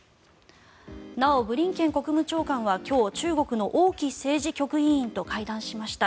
なお、ブリンケン国務長官は今日、中国の王毅政治局委員と会談しました。